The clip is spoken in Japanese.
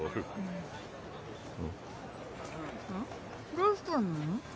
どうしたの？